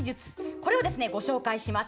これをご紹介します。